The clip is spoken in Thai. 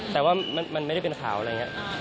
แต่ว่ามันไม่ได้เป็นข่าวอะไรอย่างนี้